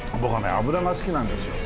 脂が好きなんですよ。